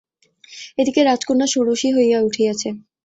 এদিকে রাজকন্যা ষোড়শী হইয়া উঠিয়াছে।